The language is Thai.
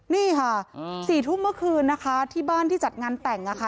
นี่ค่ะ๔ทุ่มเมื่อคืนนะคะที่บ้านที่จัดงานแต่งนะคะ